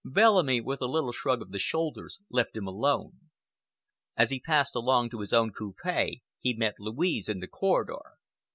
Bellamy, with a little shrug of the shoulders, left him alone. As he passed along to his own coupe, he met Louise in the corridor.